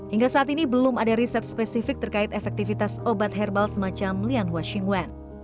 hingga saat ini belum ada riset spesifik terkait efektivitas obat herbal semacam lian washingwen